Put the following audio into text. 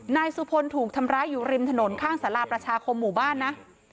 นายสุพลถูกทำร้ายอยู่ริมถนนข้างสาราประชาคมหมู่บ้านนะ